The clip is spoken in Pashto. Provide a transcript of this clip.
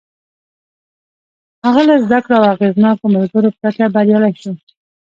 هغه له زدهکړو او اغېزناکو ملګرو پرته بريالی شو.